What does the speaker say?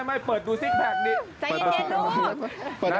ไม่เปิดดูซิกแพคนี้เหรอ